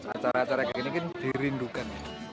acara acara kayak gini kan dirindukan